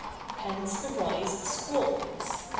Hence arise squalls.